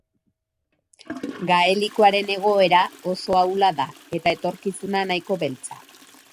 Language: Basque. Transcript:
Gaelikoaren egoera oso ahula da, eta etorkizuna nahiko beltza.